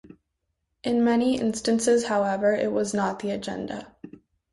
In many instances, however, it was not the agenda.